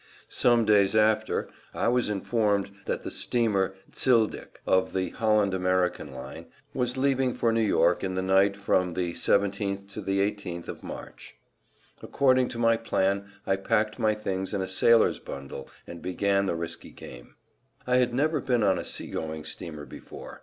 Some days after I was informed that the steamer Zyldyk of the Holland American line was leaving for New York in the night from the 17th to the 18th of March. According to my plan I packed my things in a sailor's bundle and began the risky game. I had never been on a sea going steamer before.